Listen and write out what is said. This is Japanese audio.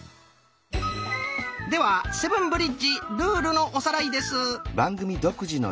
では「セブンブリッジ」ルールのおさらいです。